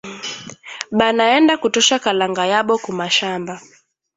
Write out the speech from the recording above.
Banaenda kutosha kalanga yabo kumashamba